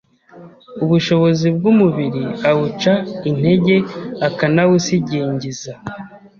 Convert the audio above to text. ubushobozi bw’umubiri awuca intege akanawusigingiza.